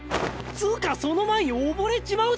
つうかその前に溺れちまうだろ！